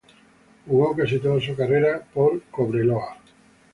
Jugó casi toda su carrera por Cobreloa.